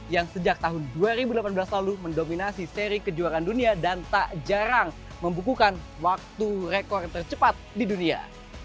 yang sejak tahun dua ribu delapan belas lalu mendominasi seri kejuaraan dunia dan tak jarang membukukan waktu rekor tercepat di dunia